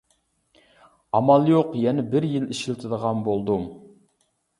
ئامال يوق يەنە بىر يىل ئىشلىتىدىغان بولدۇم.